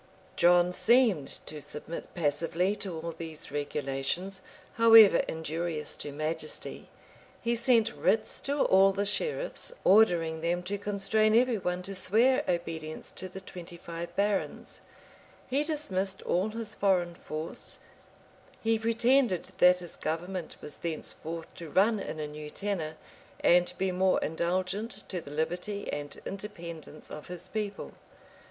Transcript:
] John seemed to submit passively to all these regulations, however injurious to majesty: he sent writs to all the sheriffs, ordering them to constrain every one to swear obedience to the twenty five barons: he dismissed all his foreign force; he pretended, that his government was thenceforth to run in a new tenor, and be more indulgent to the liberty and independence of his people.